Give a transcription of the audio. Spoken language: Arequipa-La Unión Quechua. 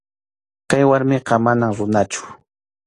Kay warmiqa manam runachu.